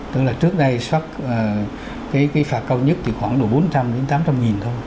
tức là trước đây xác cái phạt cao nhất thì khoảng bốn trăm linh đến tám trăm linh nghìn thôi